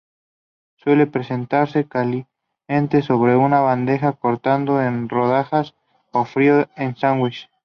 Suele presentarse caliente sobre una bandeja cortado en rodajas o frío en sándwich.